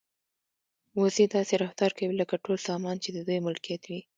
وزې داسې رفتار کوي لکه ټول سامان چې د دوی ملکیت وي.